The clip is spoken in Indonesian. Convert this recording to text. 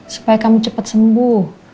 supaya kamu cepat sembuh